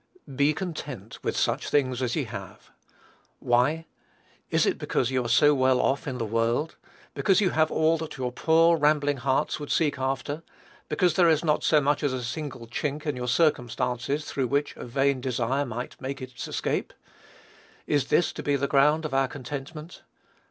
"Be content with such things as ye have." Why? Is it because you are so well off in the world? Because you have all that your poor rambling hearts would seek after? Because there is not so much as a single chink in your circumstances, through which a vain desire might make its escape? Is this to be the ground of our contentment?